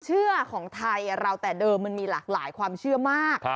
เชื่อของไทยเราแต่เดิมมันมีหลากหลายความเชื่อมาก